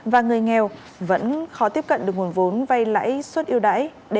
và người nghèo vẫn khó tiếp cận được nguồn vốn vay lãi suất yêu đáy để mua nhà ở xã hội